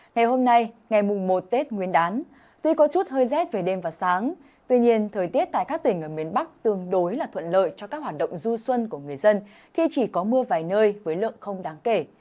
ngày hôm nay ngày mùng một tết nguyên đán tuy có chút hơi rét về đêm và sáng tuy nhiên thời tiết tại các tỉnh ở miền bắc tương đối là thuận lợi cho các hoạt động du xuân của người dân khi chỉ có mưa vài nơi với lượng không đáng kể